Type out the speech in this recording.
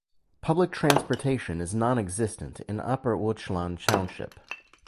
Public transportation is non-existent in Upper Uwchlan Township.